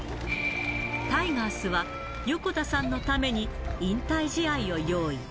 タイガースは横田さんのために引退試合を用意。